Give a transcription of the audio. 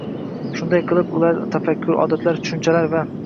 Shunday qilib, ular tafakkur, odatlar, tushunchalar va